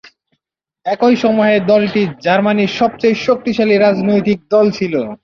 একই সময়ে দলটি জার্মানির সবচেয়ে শক্তিশালী রাজনৈতিক দল ছিল।